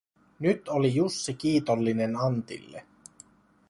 Nyt oli Jussi kiitollinen Antille.